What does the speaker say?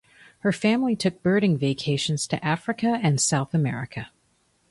Her family took birding vacations to Africa and South America.